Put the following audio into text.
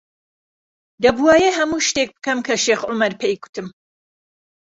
دەبووایە هەموو شتێک بکەم کە شێخ عومەر پێی گوتم.